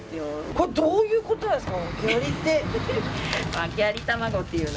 これ、どういうことですか。